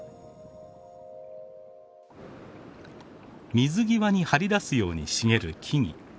水際に張り出すように茂る木々。